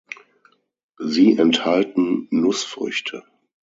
Sie enthalten Nussfrüchte.